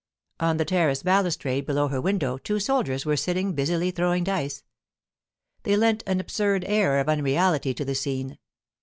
On the terrace balustrade below her window two soldiers were sitting, busily throwing dice. They lent an absurd air of unreality to the scene.